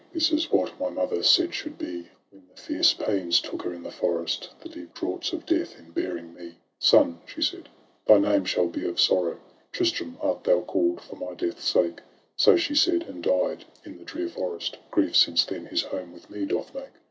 This is what my mother said should be, When the fierce pains took her in the forest, The deep draughts of death, in bearing me. ' Son,' she said, ' thy name shall be of sorrow ; Tristram art thou call'd for my death's sake.' So she said, and died in the drear forest — Grief since then his home with me doth make.